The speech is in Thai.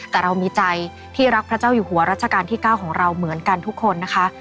แต่เรามีใจที่รักพระเจ้าอยู่หัวรัชกาลที่๙ของเราเหมือนกันทุกคนนะคะ